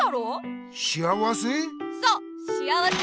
そう幸せ。